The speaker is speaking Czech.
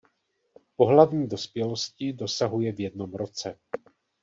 Pohlavní dospělosti dosahuje v jednom roce.